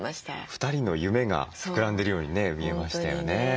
２人の夢が膨らんでるようにね見えましたよね。